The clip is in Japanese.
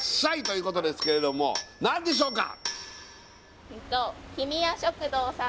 ということですけれども何でしょうか？